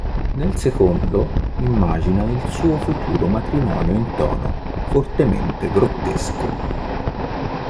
Nel secondo immagina il suo futuro matrimonio in tono fortemente grottesco.